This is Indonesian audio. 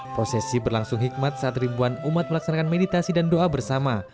prosesi berlangsung hikmat saat ribuan umat melaksanakan meditasi dan doa bersama